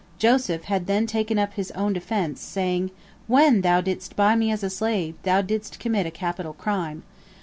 Joseph had then taken up his own defense, saying: "When thou didst buy me as a slave, thou didst commit a capital crime.